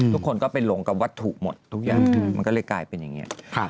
ทุกคนก็ไปหลงกับวัตถุหมดทุกอย่างมันก็เลยกลายเป็นอย่างนี้